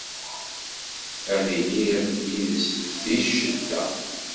Ad iliɣ yid-s di ccedda.